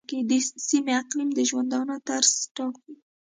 د سیمې اقلیم د ژوندانه طرز ټاکي.